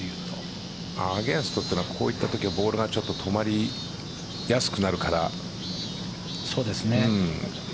アゲンストというのはこういった時のボールがちょっと止まりやすくなるから。